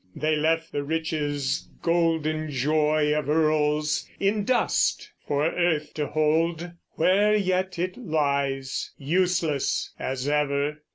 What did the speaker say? They left the riches, golden joy of earls, In dust, for earth to hold; where yet it lies, Useless as ever.